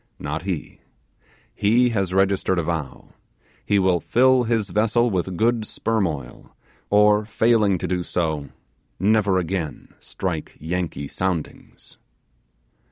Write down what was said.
Not he. He has registered a vow: he will fill his vessel with good sperm oil, or failing to do so, never again strike Yankee soundings.